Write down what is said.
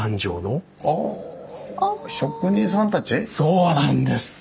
そうなんです。